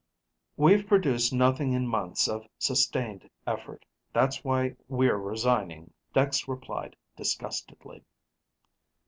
_" "We've produced nothing in months of sustained effort. That's why we're resigning," Dex replied disgustedly.